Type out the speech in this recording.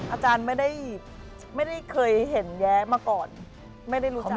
อาจารย์ไม่ได้เคยเห็นแย้มาก่อนไม่ได้รู้จัก